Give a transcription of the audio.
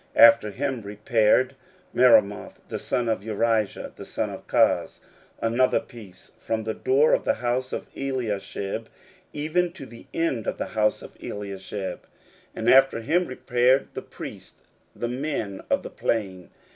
16:003:021 After him repaired Meremoth the son of Urijah the son of Koz another piece, from the door of the house of Eliashib even to the end of the house of Eliashib. 16:003:022 And after him repaired the priests, the men of the plain.